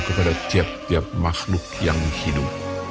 kepada tiap tiap makhluk yang hidup